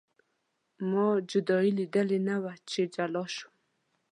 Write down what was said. ما جدایي لیدلې نه وه چې جلا شو.